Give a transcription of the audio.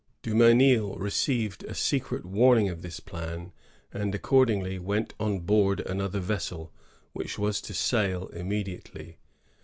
Dumesnil received a secret warning of this plan, and accordingly went on board another vessel, which was to sail immediately.